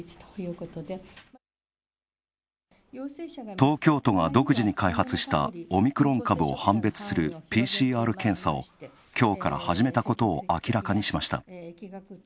東京都が独自に開発したオミクロン株を判別するＰＣＲ検査をきょうから始めたことを明らかにしました。